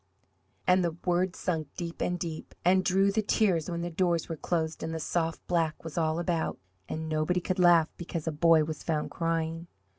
And the words sunk deep and deep and drew the tears when the doors were closed and the soft black was all about and nobody could laugh because a boy was found crying!